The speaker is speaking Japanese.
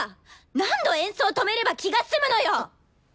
何度演奏止めれば気が済むのよ！？